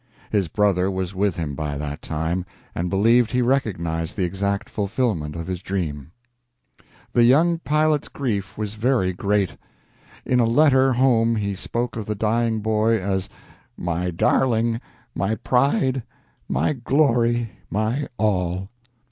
His brother was with him by that time, and believed he recognized the exact fulfilment of his dream. The young pilot's grief was very great. In a letter home he spoke of the dying boy as "My darling, my pride, my glory, my all."